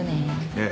ええ。